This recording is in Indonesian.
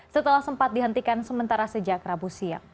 setelah sempat dihentikan sementara sejak rabu siang